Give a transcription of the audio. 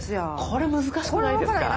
これ難しくないですか？